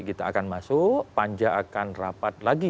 kita akan masuk panja akan rapat lagi